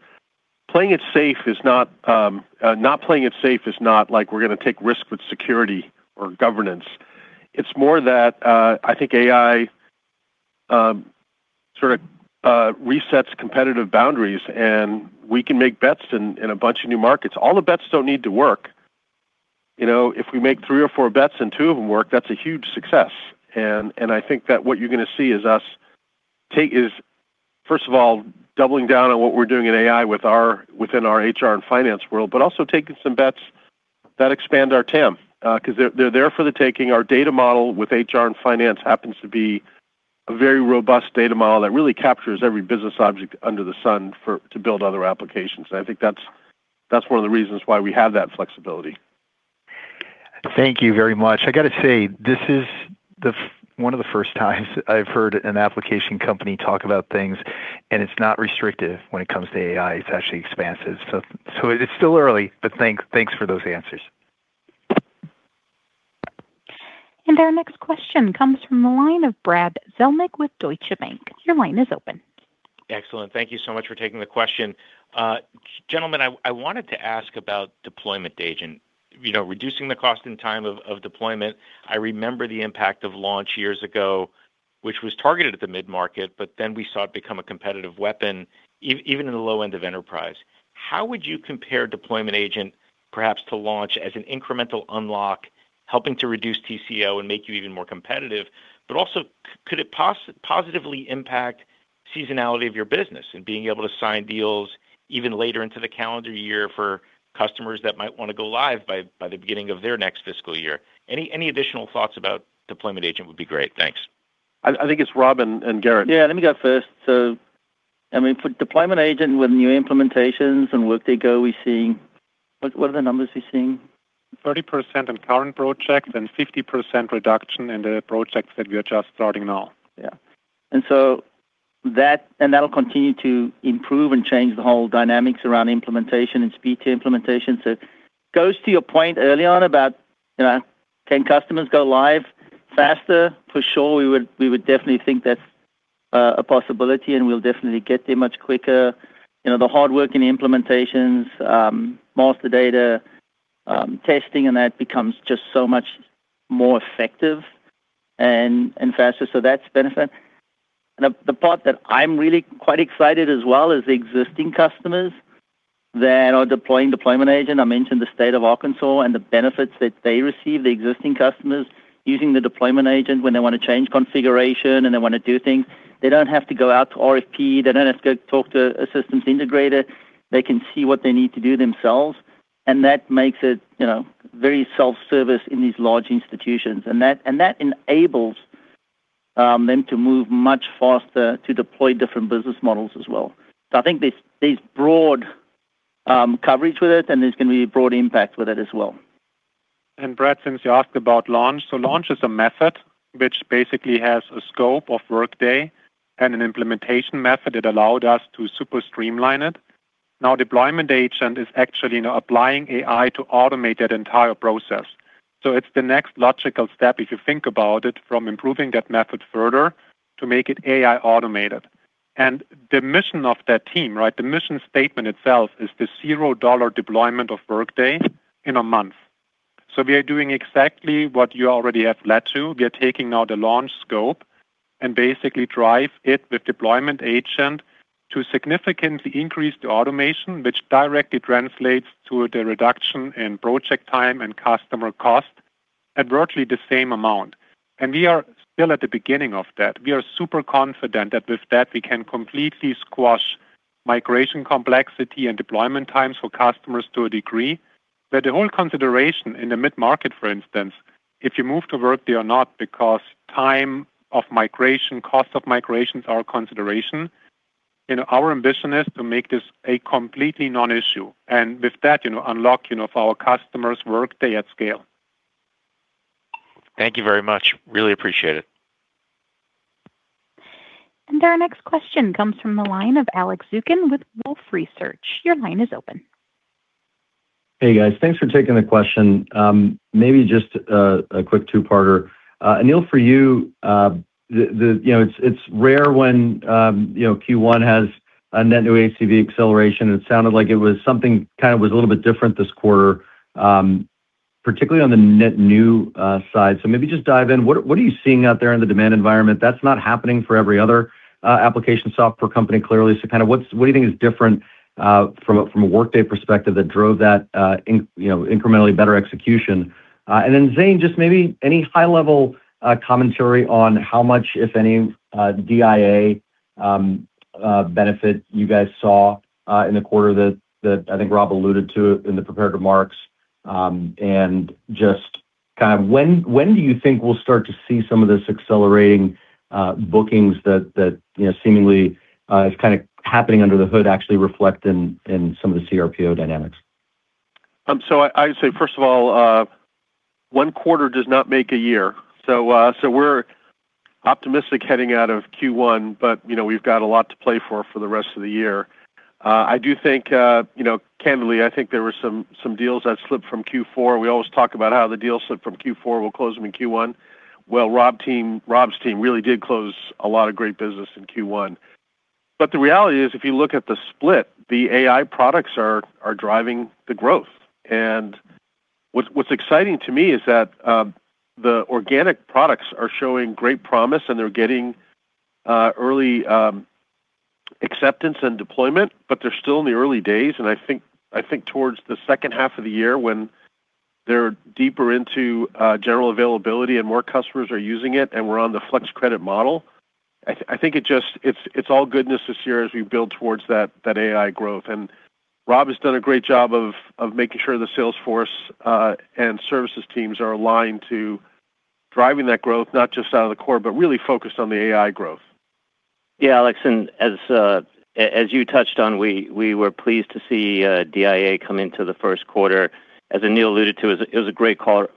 Not playing it safe is not like we're going to take risk with security or governance. It's more that I think AI sort of resets competitive boundaries, and we can make bets in a bunch of new markets. All the bets don't need to work. If we make three or four bets and two of them work, that's a huge success. I think that what you're going to see is us, first of all, doubling down on what we're doing in AI within our HR and finance world, but also taking some bets that expand our TAM because they're there for the taking. Our data model with HR and finance happens to be a very robust data model that really captures every business object under the sun to build other applications. I think that's one of the reasons why we have that flexibility. Thank you very much. I got to say, this is one of the first times I've heard an application company talk about things, and it's not restrictive when it comes to AI. It's actually expansive. It's still early, but thanks for those answers. Our next question comes from the line of Brad Zelnick with Deutsche Bank. Your line is open. Excellent. Thank you so much for taking the question. Gentlemen, I wanted to ask about Deployment Agent. Reducing the cost and time of deployment. I remember the impact of Launch years ago, which was targeted at the mid-market, then we saw it become a competitive weapon even in the low end of enterprise. How would you compare Deployment Agent, perhaps to Launch as an incremental unlock, helping to reduce TCO and make you even more competitive? Also, could it positively impact seasonality of your business and being able to sign deals even later into the calendar year for customers that might want to go live by the beginning of their next fiscal year? Any additional thoughts about Deployment Agent would be great. Thanks. I think it's Rob and Gerrit. Yeah, let me go first. For Deployment Agent with new implementations and Workday GO, what are the numbers we're seeing? 30% on current projects and 50% reduction in the projects that we are just starting now. Yeah. That'll continue to improve and change the whole dynamics around implementation and speed to implementation. Goes to your point early on about can customers go live faster? For sure, we would definitely think that's a possibility, and we'll definitely get there much quicker. The hard work in implementations, master data, testing, and that becomes just so much more effective and faster. That's a benefit. The part that I'm really quite excited as well is the existing customers that are deploying Deployment Agent. I mentioned the State of Arkansas and the benefits that they receive, the existing customers using the Deployment Agent when they want to change configuration and they want to do things. They don't have to go out to RFP. They don't have to go talk to a systems integrator. They can see what they need to do themselves, and that makes it very self-service in these large institutions. That enables them to move much faster to deploy different business models as well. I think there's broad coverage with it, and there's going to be broad impact with it as well. Brad, since you asked about Launch is a method which basically has a scope of Workday and an implementation method. It allowed us to super streamline it. Deployment Agent is actually now applying AI to automate that entire process. It's the next logical step, if you think about it, from improving that method further to make it AI automated. The mission of that team, the mission statement itself is the $0 deployment of Workday in a month. We are doing exactly what you already have led to. We are taking now the Launch scope and basically drive it with Deployment Agent to significantly increase the automation, which directly translates to the reduction in project time and customer cost at virtually the same amount. We are still at the beginning of that. We are super confident that with that, we can completely squash migration complexity and deployment times for customers to a degree. That the whole consideration in the mid-market, for instance, if you move to Workday or not, because time of migration, cost of migration are a consideration. Our ambition is to make this a completely non-issue, and with that, unlock our customers' Workday at scale. Thank you very much. Really appreciate it. Our next question comes from the line of Alex Zukin with Wolfe Research. Your line is open. Hey, guys. Thanks for taking the question. Maybe just a quick two-parter. Aneel, for you, it's rare when Q1 has a net new ACV acceleration, and it sounded like it was something that was a little bit different this quarter, particularly on the net new side. Maybe just dive in. What are you seeing out there in the demand environment? That's not happening for every other application software company, clearly. What do you think is different from a Workday perspective that drove that incrementally better execution? Zane, just maybe any high-level commentary on how much, if any, GIA benefit you guys saw in the quarter that I think Rob alluded to in the prepared remarks. Just when do you think we'll start to see some of this accelerating bookings that seemingly is happening under the hood actually reflect in some of the CRPO dynamics? I would say, first of all, one quarter does not make a year. We're optimistic heading out of Q1, but we've got a lot to play for the rest of the year. Candidly, I think there were some deals that slipped from Q4. We always talk about how the deals slipped from Q4, we'll close them in Q1. Rob's team really did close a lot of great business in Q1. The reality is, if you look at the split, the AI products are driving the growth. What's exciting to me is that the organic products are showing great promise, and they're getting early acceptance and deployment, but they're still in the early days. I think towards the second half of the year when they're deeper into general availability and more customers are using it, and we're on the Flex Credits model, I think it's all goodness this year as we build towards that AI growth. Rob has done a great job of making sure the sales force and services teams are aligned to driving that growth, not just out of the core, but really focused on the AI growth. Yeah, Alex, as you touched on, we were pleased to see DIA come into the first quarter. As Aneel alluded to, it was a great quarter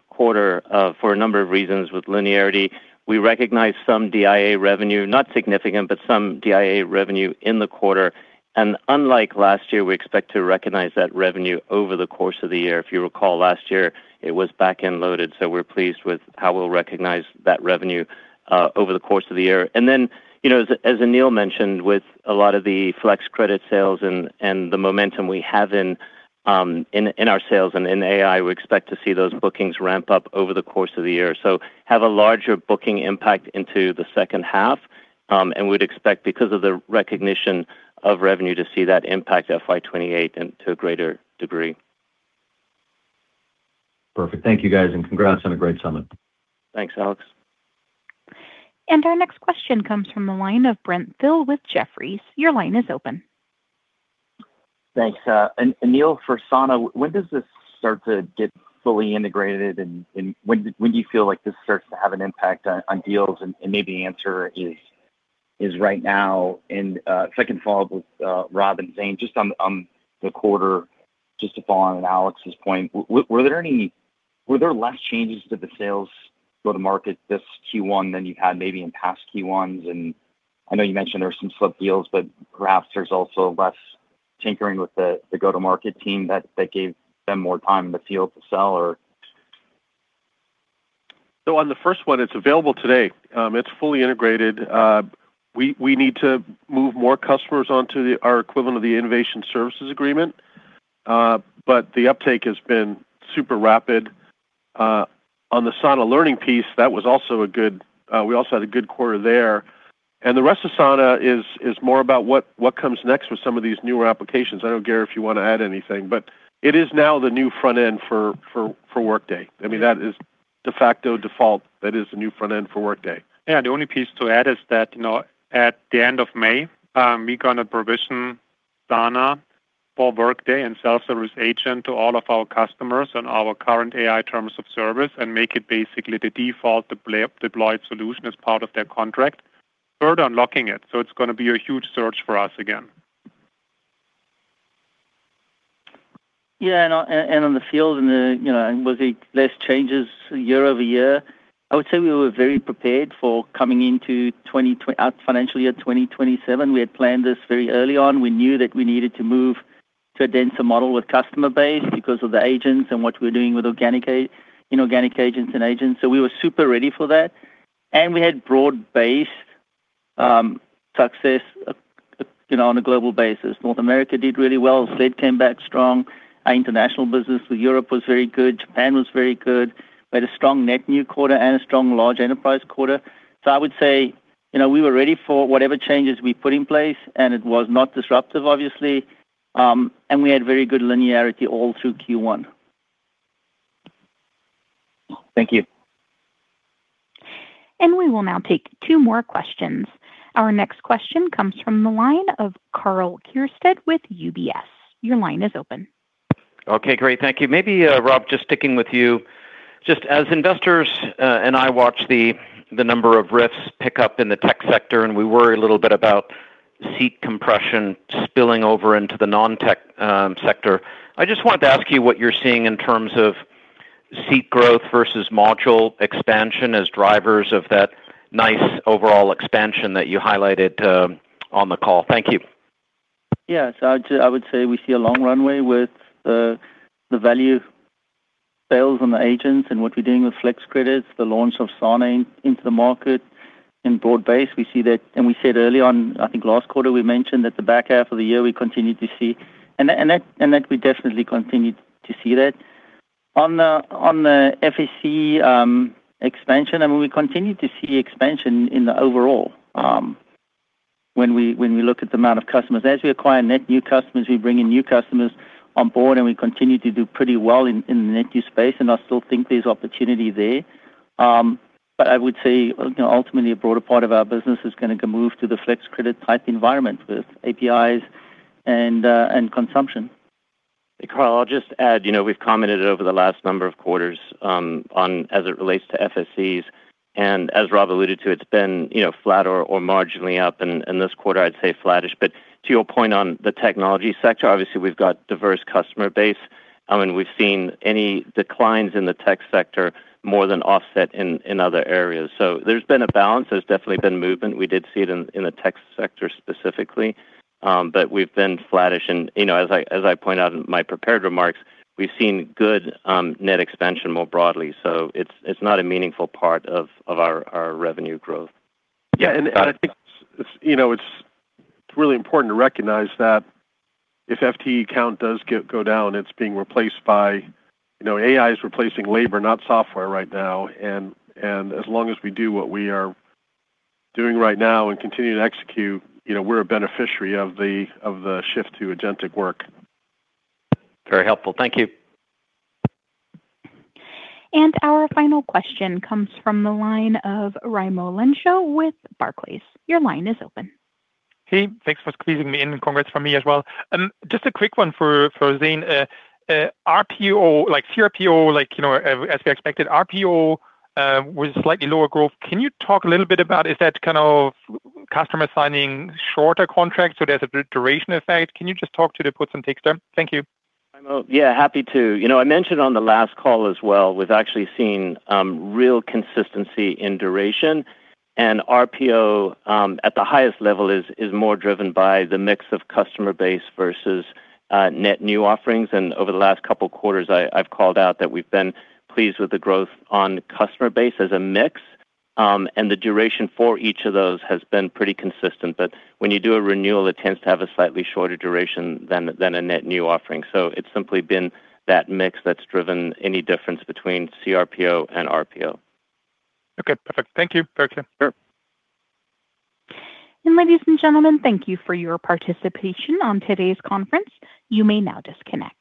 for a number of reasons with linearity. We recognized some DIA revenue, not significant, but some DIA revenue in the quarter. Unlike last year, we expect to recognize that revenue over the course of the year. If you recall, last year, it was back-end loaded. We're pleased with how we'll recognize that revenue over the course of the year. As Aneel mentioned, with a lot of the flex credit sales and the momentum we have in our sales and in AI, we expect to see those bookings ramp up over the course of the year. Have a larger booking impact into the second half, and we'd expect because of the recognition of revenue to see that impact FY 2028 to a greater degree. Perfect. Thank you guys, and congrats on a great summit. Thanks, Alex. Our next question comes from the line of Brent Thill with Jefferies. Your line is open. Thanks. Aneel, for Sana, when does this start to get fully integrated, and when do you feel like this starts to have an impact on deals? Maybe the answer is right now. Second follow-up with Rob and Zane, just on the quarter, just to follow on Alex Zukin's point, were there less changes to the sales go-to-market this Q1 than you had maybe in past Q1s? I know you mentioned there were some slipped deals, but perhaps there's also less tinkering with the go-to-market team that gave them more time in the field to sell. On the first one, it's available today. It's fully integrated. We need to move more customers onto our equivalent of the innovation services agreement. The uptake has been super rapid. On the Sana Learning piece, we also had a good quarter there. The rest of Sana is more about what comes next with some of these newer applications. I don't know, Gerrit, if you want to add anything, but it is now the new front end for Workday. That is de facto default. That is the new front end for Workday. Yeah, the only piece to add is that at the end of May, we're going to provision Sana for Workday and Self-Service Agent to all of our customers on our current AI terms of service and make it basically the default deployed solution as part of their contract. We're unlocking it, so it's going to be a huge surge for us again. Yeah, on the field and with the less changes year-over-year, I would say we were very prepared for coming into financial year 2027. We had planned this very early on. We knew that we needed to move to a denser model with customer base because of the agents and what we're doing with inorganic agents and agents. We were super ready for that. We had broad-based success on a global basis. North America did really well. Australia came back strong. Our international business with Europe was very good. Japan was very good. We had a strong net new quarter and a strong large enterprise quarter. I would say we were ready for whatever changes we put in place, and it was not disruptive, obviously. We had very good linearity all through Q1. Thank you. We will now take two more questions. Our next question comes from the line of Karl Keirstead with UBS. Okay, great. Thank you. Maybe, Rob, just sticking with you. Just as investors and I watch the number of risks pick up in the tech sector, and we worry a little bit about seat compression spilling over into the non-tech sector, I just wanted to ask you what you're seeing in terms of seat growth versus module expansion as drivers of that nice overall expansion that you highlighted on the call. Thank you. I would say we see a long runway with the value sales on the agents and what we're doing with Flex Credits, the launch of Sana into the market in broad-base. We see that, we said early on, I think last quarter we mentioned that the back half of the year, we continue to see that. On the FSE expansion, I mean, we continue to see expansion in the overall when we look at the amount of customers. We acquire net new customers, we bring in new customers on board, we continue to do pretty well in the net new space, I still think there's opportunity there. I would say, ultimately a broader part of our business is going to move to the Flex Credit type environment with APIs and consumption. Karl, I'll just add, we've commented over the last number of quarters, as it relates to FSEs, and as Rob alluded to, it's been flat or marginally up. This quarter I'd say flattish. To your point on the technology sector, obviously we've got diverse customer base. We've seen any declines in the tech sector more than offset in other areas. There's been a balance. There's definitely been movement. We did see it in the tech sector specifically. We've been flattish and, as I point out in my prepared remarks, we've seen good net expansion more broadly. It's not a meaningful part of our revenue growth. I think it's really important to recognize that if FTE count does go down, it's being replaced by AI is replacing labor, not software right now. As long as we do what we are doing right now and continue to execute, we're a beneficiary of the shift to agentic work. Very helpful. Thank you. Our final question comes from the line of Raimo Lenschow with Barclays. Your line is open. Hey, thanks for squeezing me in, and congrats from me as well. Just a quick one for Zane. CRPO, as we expected, RPO was slightly lower growth. Can you talk a little bit about if that's kind of customer signing shorter contracts, so there's a bit of duration effect? Can you just talk to the puts and takes there? Thank you. Yeah, happy to. I mentioned on the last call as well, we've actually seen real consistency in duration, and RPO, at the highest level is more driven by the mix of customer base versus net new offerings. Over the last couple of quarters, I've called out that we've been pleased with the growth on customer base as a mix. The duration for each of those has been pretty consistent. When you do a renewal, it tends to have a slightly shorter duration than a net new offering. It's simply been that mix that's driven any difference between CRPO and RPO. Okay, perfect. Thank you. Very clear. Sure. Ladies and gentlemen, thank you for your participation on today's conference. You may now disconnect.